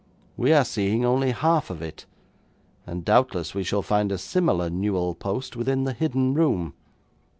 We are seeing only half of it, and doubtless we shall find a similar newel post within the hidden room.